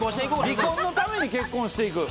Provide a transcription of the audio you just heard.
離婚のために結婚していく？